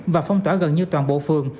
và phong tỏa gần như toàn bộ phường